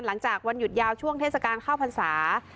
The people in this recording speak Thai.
หลังจากวันหยุดยาวช่วงเทศกาลข้าวพรรษา